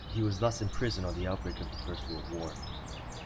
He was thus in prison on the outbreak of the First World War.